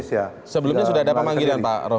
sebelumnya sudah ada memanggilan pak rom